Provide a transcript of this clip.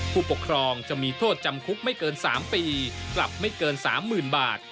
ผู้ปกครองจะมีโทษจำคุกไม่เกิน๓ปีปรับไม่เกิน๓๐๐๐บาท